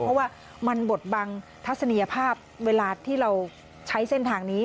เพราะว่ามันบดบังทัศนียภาพเวลาที่เราใช้เส้นทางนี้